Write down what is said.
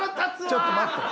ちょっと待って。